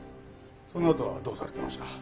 そのあとはどうされてました？